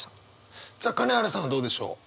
さあ金原さんはどうでしょう？